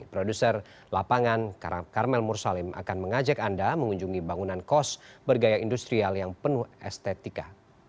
produser lapangan karmel mursalim akan mengajak anda mengunjungi bangunan kos bergaya industrial yang penuh estetika